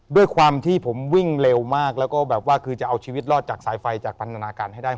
ด้วยความที่ผมวิ่งเร็วมากแล้วก็แบบว่าคือจะเอาชีวิตรอดจากสายไฟจากพันธนาการให้ได้